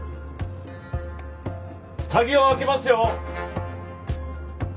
鍵を開けますよ！